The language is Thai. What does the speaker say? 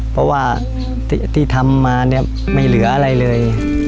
เพราะว่าที่ทำมาเนี่ยไม่เหลืออะไรเลย